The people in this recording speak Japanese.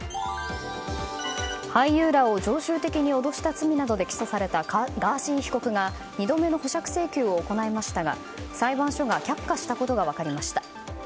俳優らを常習的に脅した罪などで起訴されたガーシー被告が２度目の保釈請求を行いましたが裁判所が却下したことが分かりました。